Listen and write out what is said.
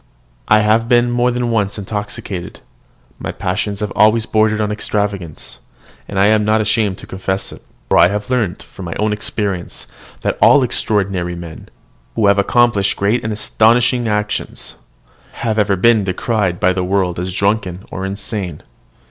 I have been more than once intoxicated, my passions have always bordered on extravagance: I am not ashamed to confess it; for I have learned, by my own experience, that all extraordinary men, who have accomplished great and astonishing actions, have ever been decried by the world as drunken or insane.